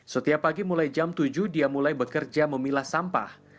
setiap pagi mulai jam tujuh dia mulai bekerja memilah sampah